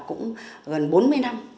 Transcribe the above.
cũng gần bốn mươi năm